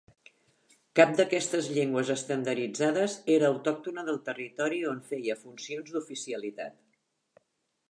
Cap d'aquestes llengües estandarditzades era autòctona del territori on feia funcions d'oficialitat.